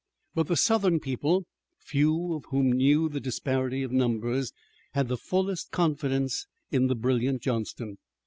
But the Southern people, few of whom knew the disparity of numbers, had the fullest confidence in the brilliant Johnston.